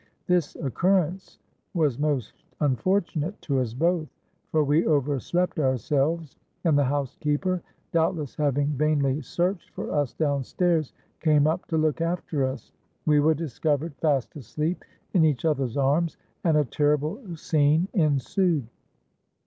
This occurrence was most unfortunate to us both; for we over slept ourselves,—and the housekeeper, doubtless having vainly searched for us down stairs, came up to look after us. We were discovered fast asleep in each other's arms; and a terrible scene ensued.